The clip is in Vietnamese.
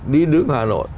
đi đứng hà nội